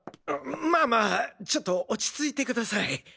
まあまあちょっと落ち着いてください。